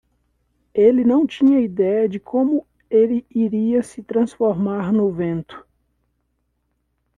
Ele não tinha ideia de como ele iria se transformar no vento.